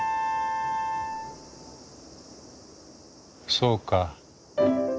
そうか。